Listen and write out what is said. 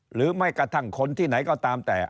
หรือไม่กระทั่งคนที่ไหนก็ตามแต่